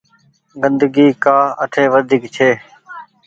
گندگي ڪآ اٺي وڍيڪ ڇي۔